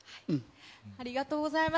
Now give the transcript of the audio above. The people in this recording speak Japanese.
ありがとうございます。